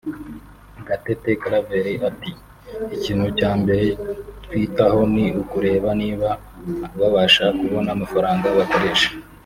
Gatete Claver ati “Ikintu cya mbere twitaho ni ukureba niba babasha kubona amafaranga bakoresha